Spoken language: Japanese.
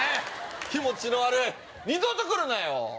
気持ちの悪い二度と来るなよ！